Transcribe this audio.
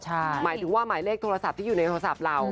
หมายถึงว่าหมายเลขโทรศัพท์ที่อยู่ในโทรศัพท์เรา